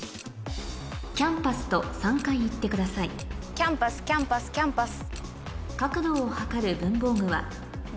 キャンパスキャンパスキャンパス。